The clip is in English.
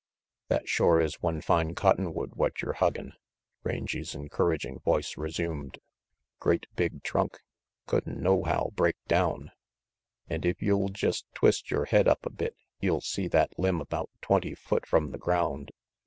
"That shore is one fine cotton wood what yer huggin'," Rangy 's encouraging voice resumed. "Great big trunk, could'n nohow break down. An' if you'll jest twist yore head up a bit you'll see that limb about twenty foot from the ground.